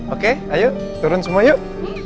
oke ayo turun semua yuk